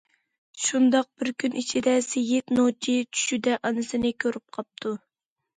شۇنداق بىر كۈن ئىچىدە، سېيىت نوچى چۈشىدە، ئانىسىنى كۆرۈپ قاپتۇ.